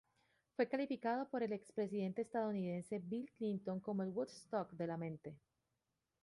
Fue calificado por el expresidente estadounidense Bill Clinton como el Woodstock de la mente.